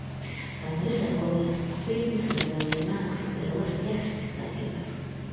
Manuel Reboiras: "O filme sobre meu irmán superou as miñas expectativas".